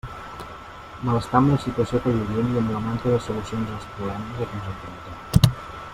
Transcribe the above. Malestar amb la situació que vivim i amb la manca de solucions als problemes a què ens enfrontem.